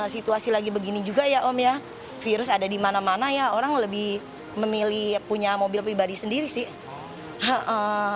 situasi lagi begini juga ya om ya virus ada di mana mana ya orang lebih memilih punya mobil pribadi sendiri sih